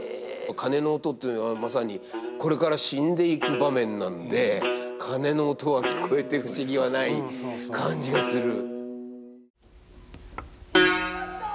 鐘の音っていうのはまさにこれから死んでいく場面なんで鐘の音は聞こえて不思議はない感じがする。